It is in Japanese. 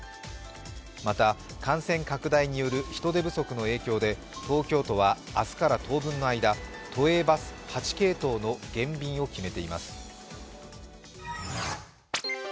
また感染拡大による人手不足の影響で東京都は明日から当分の間、都営バス８系統の減便を決めています。